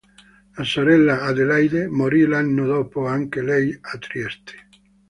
La sorella Adelaide morì l'anno dopo, anche lei a Trieste.